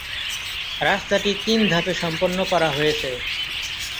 রাস্তাটি তিন ধাপে সম্পন্ন করা হয়েছে।